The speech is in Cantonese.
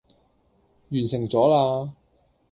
完成咗啦